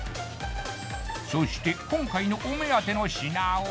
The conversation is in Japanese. そして今回のお目当ての品は？